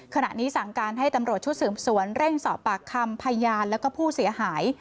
ขณะนี้สั่งการให้ตำรวจชุดสืบสวนเร่งสอบปากคำพยานแล้วก็ผู้เสียหาย